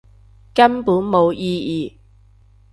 根本冇意義